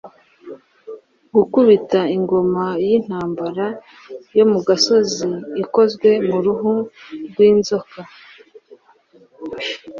gukubita ingoma y'intambara yo mu gasozi ikozwe mu ruhu rw'inzoka;